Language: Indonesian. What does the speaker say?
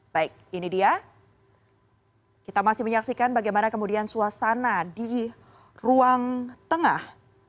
baik ini dia kita masih menyaksikan bagaimana kemudian suasana di ruang tengah